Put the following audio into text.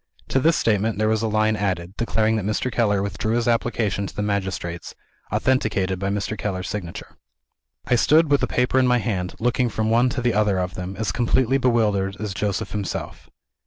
To this statement there was a line added, declaring that Mr. Keller withdrew his application to the magistrates; authenticated by Mr. Keller's signature. I stood with the paper in my hand, looking from one to the other of them, as completely bewildered as Joseph himself.